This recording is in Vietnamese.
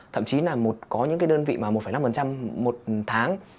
thậm chí là có những đơn vị một năm một tháng